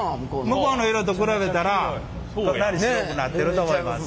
向こうの色と比べたらかなり白くなってると思います。